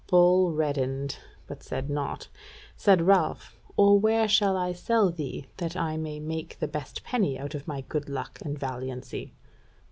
Bull reddened, but said naught. Said Ralph: "Or where shall I sell thee, that I may make the best penny out of my good luck and valiancy?"